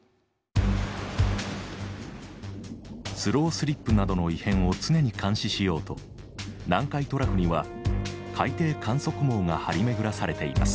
スロースリップなどの異変を常に監視しようと南海トラフには海底観測網が張り巡らされています。